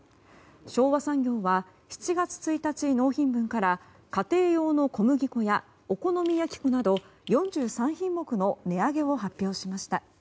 昭和産業は７月１日納品分から家庭用の小麦粉やお好み焼き粉など４３品目の値上げを発表しました。